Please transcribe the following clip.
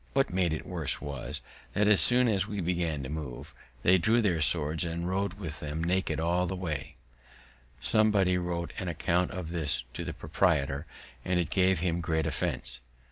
What made it worse was, that, as soon as we began to move, they drew their swords and rode with them naked all the way. Somebody wrote an account of this to the proprietor, and it gave him great offense.